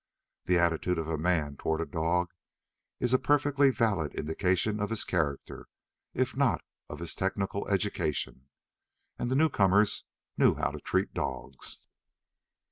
The attitude of a man toward a dog is a perfectly valid indication of his character, if not of his technical education. And the newcomers knew how to treat dogs.